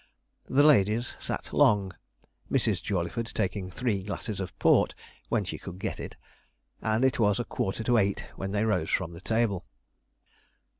The ladies sat long, Mrs. Jawleyford taking three glasses of port (when she could get it); and it was a quarter to eight when they rose from the table.